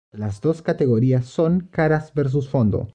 Las dos categorías son caras versus fondo.